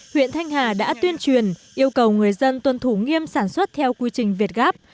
huyện thanh hà đã tuyên truyền yêu cầu người dân tuân thủ nghiêm sản xuất theo quy trình việt gáp